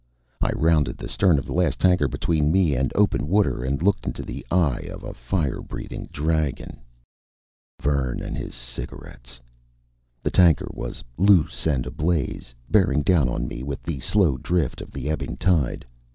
I rounded the stern of the last tanker between me and open water, and looked into the eye of a fire breathing dragon. Vern and his cigarettes! The tanker was loose and ablaze, bearing down on me with the slow drift of the ebbing tide.